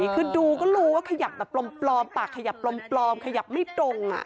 คือดูก็รู้ว่าขยับแบบปลอมปากขยับปลอมขยับไม่ตรง